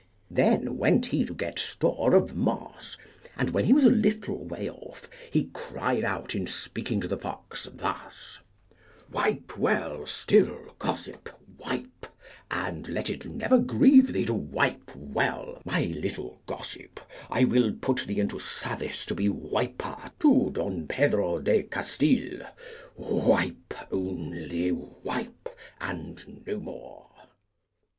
Then went he to get store of moss; and when he was a little way off, he cried out in speaking to the fox thus, Wipe well still, gossip, wipe, and let it never grieve thee to wipe well, my little gossip; I will put thee into service to be wiper to Don Pedro de Castile; wipe, only wipe, and no more.